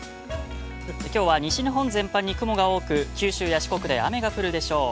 きょうは全般に雲が多く、九州や四国で雨が降るでしょう。